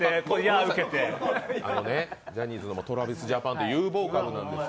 ジャニーズでもＴｒａｖｉｓＪａｐａｎという有望株なんです。